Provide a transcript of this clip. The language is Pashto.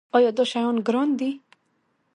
ایا دا شیان ګران دي؟